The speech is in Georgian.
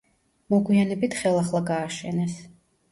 მოგვიანებით ხელახლა გააშენეს.